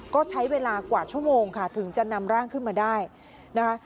ก็ใช้เวลากว่าชั่วโมงค่ะถึงจะนำร่างขึ้นมาได้นะคะ